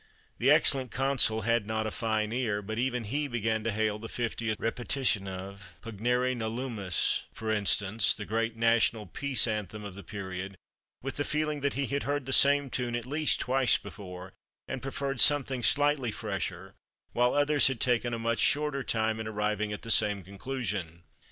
The excellent Consul had not a fine ear, but even he began to hail the fiftieth repetition of "Pugnare nolumus," for instance the great national peace anthem of the period with the feeling that he had heard the same tune at least twice before, and preferred something slightly fresher, while others had taken a much shorter time in arriving at the same conclusion.